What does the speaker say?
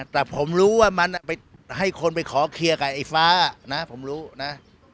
แต่ผมรู้ว่ามันไปให้คนไปขอเคลียร์กับไอ้ฟ้านะผมรู้นะ